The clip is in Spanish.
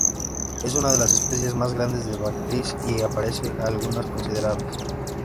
Es una de las especies más grandes de "Bactris" y aparece a alturas considerables.